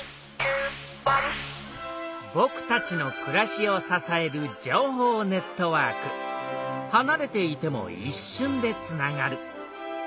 ぼくたちのくらしをささえるはなれていてもいっしゅんでつながる。